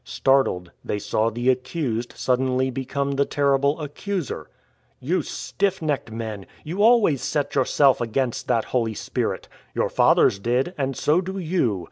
Startled, they saw the accused suddenly become the terrible accuser. " You stiff necked men — you always set yourself against that Holy Spirit. Your fathers did, and so do you.